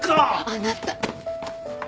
あなた！